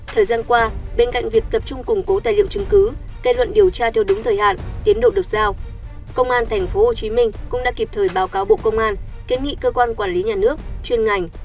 thời gian qua bên cạnh việc tập trung củng cố tài liệu chứng cứ kết luận điều tra theo đúng thời hạn tiến độ được giao công an tp hcm cũng đã kịp thời báo cáo bộ công an kiến nghị cơ quan quản lý nhà nước chuyên ngành